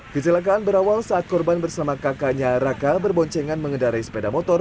kecelakaan berawal saat korban bersama kakaknya raka berboncengan mengendarai sepeda motor